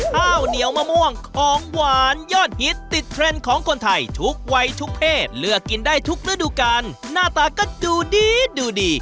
ข้าวเหนียวมะม่วงของหวานยอดฮิตติดเทรนด์ของคนไทยทุกวัยทุกเพศเลือกกินได้ทุกฤดูกาลหน้าตาก็ดูดีดูดี